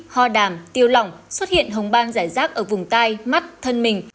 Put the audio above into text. ho đàm tiêu lỏng xuất hiện hồng bang giải rác ở vùng tai mắt thân mình